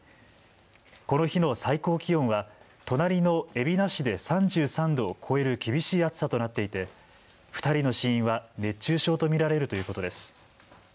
この日の最高気温は隣の海老名市で３３度を超える厳しい暑さとなっていて２人の死因は熱中症と見られるということです。